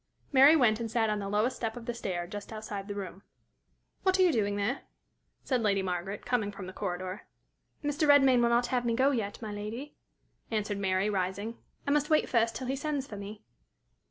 Mary went and sat on the lowest step of the stair just outside the room. "What are you doing there?" said Lady Margaret, coming from the corridor. "Mr. Redmain will not have me go yet, my lady," answered Mary, rising. "I must wait first till he sends for me."